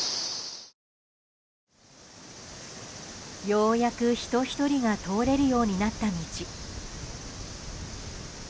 ようやく人１人が通れるようになった道。